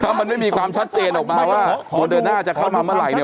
ถ้ามันไม่มีความชัดเจนออกมาว่าโมเดิร์น่าจะเข้ามาเมื่อไหร่เนี่ย